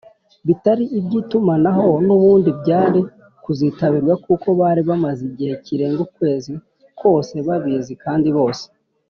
bitari iby’itumanaho nubundi byari kuzitabirwa kuko bari bamaze igihe kirenga ukwezi kose babizi kandi bose.